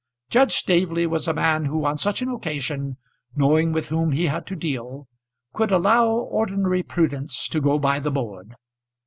Judge Staveley was a man who on such an occasion knowing with whom he had to deal could allow ordinary prudence to go by the board.